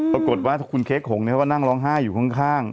ปรากฏว่าคุณเค้กหงเขาก็นั่งร้องไห้อยู่ข้าง